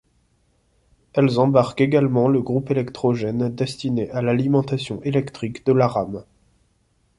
Elles embarquent également le groupe électrogène destiné à l'alimentation électrique de la rame.